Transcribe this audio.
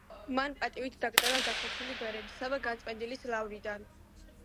მან პატივით დაკრძალა დახოცილი ბერები საბა განწმენდილის ლავრიდან.